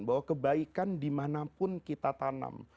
bahwa kebaikan dimanapun kita tanam